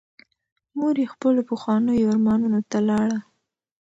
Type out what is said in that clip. مور یې خپلو پخوانیو ارمانونو ته لاړه.